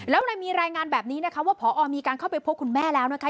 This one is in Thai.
แล้วในรายงานแบบนี้พอมีการเข้าไปพบคุณแม่แล้วนะคะ